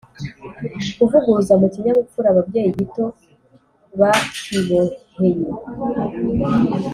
Kuvuguruza mu kinyabupfura ababyeyi gito bakiboheye